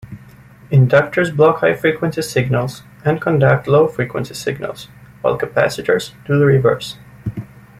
Inductors block high-frequency signals and conduct low-frequency signals, while capacitors do the reverse.